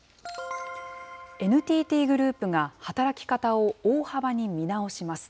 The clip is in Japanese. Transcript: ＮＴＴグループが、働き方を大幅に見直します。